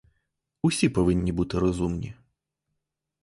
Усі повинні бути розумні.